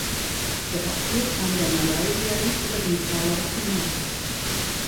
Doch auch hier kam der Malaysier nicht über den Vorlauf hinaus.